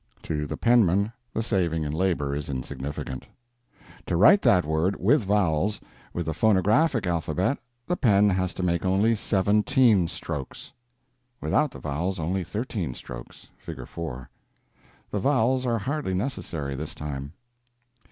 To the penman, the saving in labor is insignificant. To write that word (with vowels) with the phonographic alphabet, the pen has to make only _seventeen _strokes. Without the vowels, only _thirteen _strokes. (Figure 4) The vowels are hardly necessary, this time.